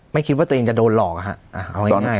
ไม่คิดว่าตัวเองจะโดนหลอกเอาง่าย